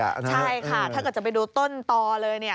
ใช่ค่ะถ้าเกิดจะไปดูต้นต่อเลย